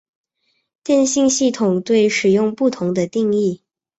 电信系统对使用不同的定义。